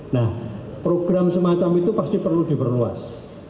nah program semacam itu pasti perlu diperluas